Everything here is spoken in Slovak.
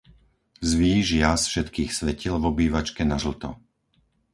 Zvýš jas všetkých svetiel v obývačke na žlto.